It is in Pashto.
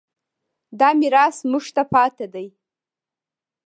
دا میراث موږ ته پاتې دی.